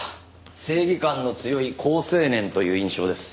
正義感の強い好青年という印象です。